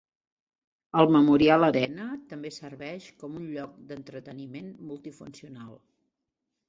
El Memorial Arena també serveix com un lloc d'entreteniment multifuncional.